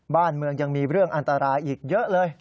บ้านเมืองยังมีเรื่องอันตรายอีกเยอะเลย